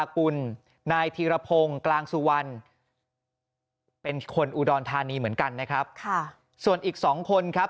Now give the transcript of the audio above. กลางสุวรรณเป็นคนอุดรธานีเหมือนกันนะครับค่ะส่วนอีกสองคนครับ